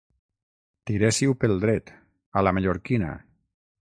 Tiréssiu pel dret, a la mallorquina.